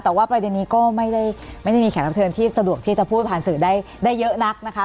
แต่ว่าประเด็นนี้ก็ไม่ได้มีแขกรับเชิญที่สะดวกที่จะพูดผ่านสื่อได้เยอะนักนะคะ